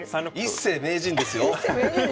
一世名人ですよ！